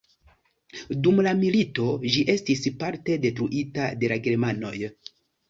Dum la milito ĝi estis parte detruita de la germanoj.